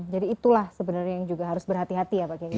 jadi itulah sebenarnya yang juga harus berhati hati ya pak geyi